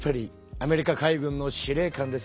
アメリカ海軍の司令官です。